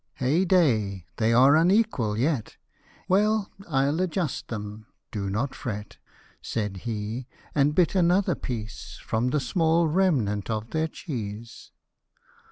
Hey day ! they are unequal yet ! Well, I'll adjust them : do not fret," Said he, and bit another piece, From the small remnant of their cheese.